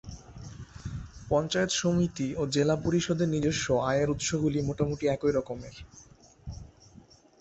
পঞ্চায়েত সমিতি ও জেলা পরিষদের নিজস্ব আয়ের উৎসগুলি মোটামুটি একই রকমের।